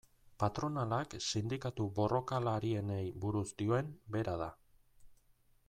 Patronalak sindikatu borrokalarienei buruz dioen bera da.